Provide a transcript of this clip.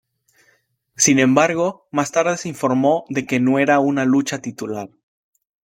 Sin embargo, más tarde se informó de que no era una lucha titular.